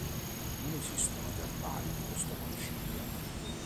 Non esistono i verbali di questo concilio.